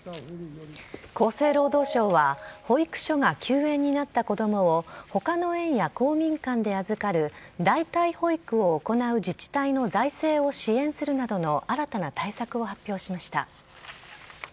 厚生労働省は、保育所が休園になった子どもをほかの園や公民館で預かる代替保育を行う自治体の財政を支援するなどの新たな対策を発表しました。